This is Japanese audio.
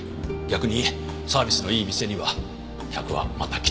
逆にサービスのいい店には客はまた来たくなる。